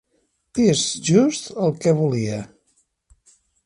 És just el que volia.